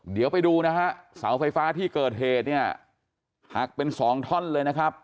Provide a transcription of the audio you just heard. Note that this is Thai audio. เดี๋ยวไปดูนะฮะเสาไฟฟ้าที่เกิดเหตุเนี่ยหักเป็นสองท่อนเลยนะครับ